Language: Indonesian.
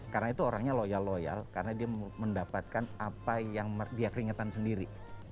karena itu orangnya loyal loyal karena dia mendapatkan apa yang dia keringetan sendiri